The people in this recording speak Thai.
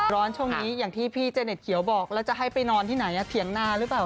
ช่วงนี้อย่างที่พี่เจเน็ตเขียวบอกแล้วจะให้ไปนอนที่ไหนเถียงนาหรือเปล่า